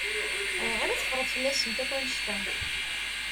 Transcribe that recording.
Ayɣer i teffreḍ fell-asent akk annect-a?